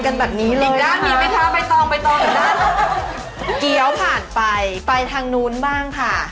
ใก้เกี๊ยวผ่านไปไปทางโน้นบ้างค่ะ